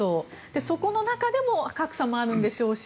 そこの中でも格差もあるんでしょうし